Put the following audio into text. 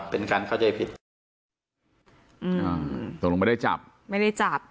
เป็นการเข้าใจผิดอืมอ่าตกลงไม่ได้จับไม่ได้จับ